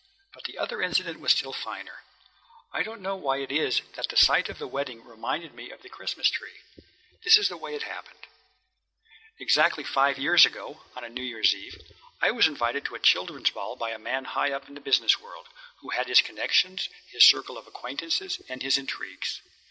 But the other incident was still finer. I don't know why it is that the sight of the wedding reminded me of the Christmas tree. This is the way it happened: Exactly five years ago, on New Year's Eve, I was invited to a children's ball by a man high up in the business world, who had his connections, his circle of acquaintances, and his intrigues.